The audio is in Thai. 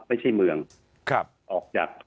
ไม่ใช่เมืองครับ